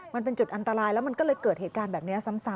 มันเป็นจุดอันตรายแล้วมันก็เลยเกิดเหตุการณ์แบบนี้ซ้ำ